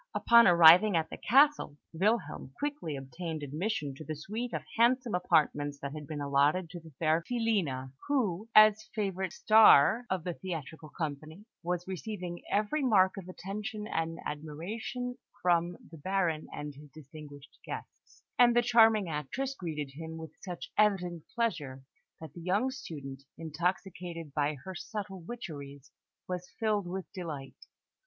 Upon arriving at the castle, Wilhelm quickly obtained admission to the suite of handsome apartments that had been allotted to the fair Filina, who, as the favourite "Star" of the theatrical company, was receiving every mark of attention and admiration from the Baron and his distinguished guests; and the charming actress greeted him with such evident pleasure that the young student, intoxicated by her subtle witcheries, was filled with delight.